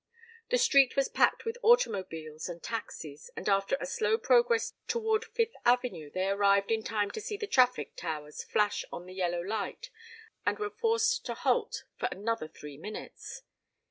The street was packed with automobiles and taxis, and after a slow progress toward Fifth Avenue they arrived in time to see the traffic towers flash on the yellow light and were forced to halt for another three minutes.